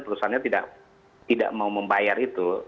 perusahaannya tidak mau membayar itu